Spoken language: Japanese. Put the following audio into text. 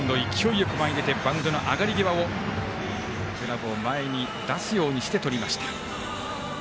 よく前に出てバウンドの上がり際をグラブを前に出すようにしてとりました。